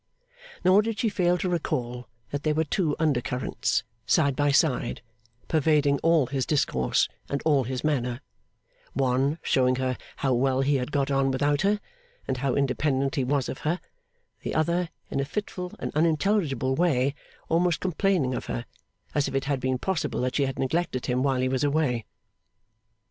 Nor did she fail to recall that there were two under currents, side by side, pervading all his discourse and all his manner; one showing her how well he had got on without her, and how independent he was of her; the other, in a fitful and unintelligible way almost complaining of her, as if it had been possible that she had neglected him while he was away.